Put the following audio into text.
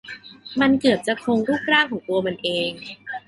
มันเกือบจะคงรูปร่างของตัวมันเอง